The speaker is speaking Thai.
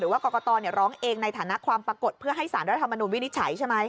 ว่ากรกตร้องเองในฐานะความปรากฏเพื่อให้สารรัฐมนุนวินิจฉัยใช่ไหม